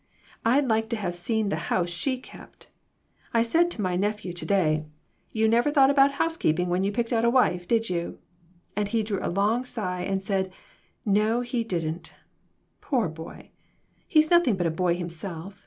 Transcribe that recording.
I'd like to have seen the house she kept ! I said to my nephew to day 'You never thought about housekeeping when you picked out a wife, did you ?' And he drew a long sigh and said 'No, he didn't.' Poor boy ; he's nothing but a boy himself.